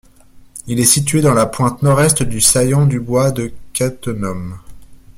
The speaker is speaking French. Il est situé dans la pointe nord-est du saillant du bois de Cattenom.